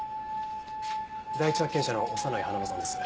第一発見者の長内花野さんです。